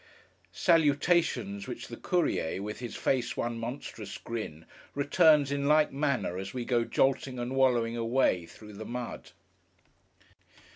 Salutations which the courier, with his face one monstrous grin, returns in like manner as we go jolting and wallowing away, through the mud.